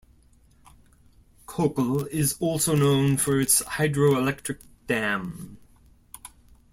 Kochel is also known for its hydroelectric dam.